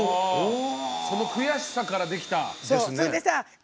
その悔しさからできたんですね。